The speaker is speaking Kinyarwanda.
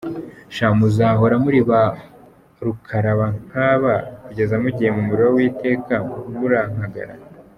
Sha muzahora muri barukarabankaba kugeza mugiye mumuriro witeka murakangara.